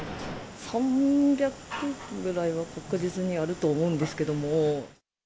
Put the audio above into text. ３００ぐらいは確実にあると思うんですけれども。